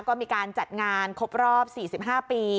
ก็มีการจัดงานครบรอบ๔๕ปี